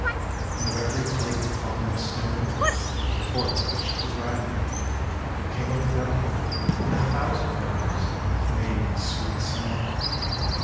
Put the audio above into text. And of every flake of falling snow. Before it touched the ground, There came a dove, and a thousand doves Made sweet sound.